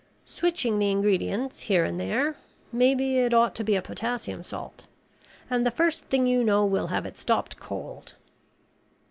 Switching the ingredients here and there maybe it ought to be a potassium salt and the first thing you know we'll have it stopped cold."